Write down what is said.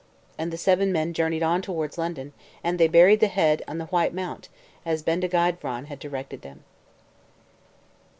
And the seven men journeyed on towards London, and they buried the head in the White Mount, as Bendigeid Vran had directed them.